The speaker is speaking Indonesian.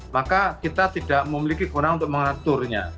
maka kita tidak memiliki guna untuk mengaturnya